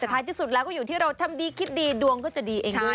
แต่ท้ายที่สุดแล้วก็อยู่ที่เราทำดีคิดดีดวงก็จะดีเองด้วย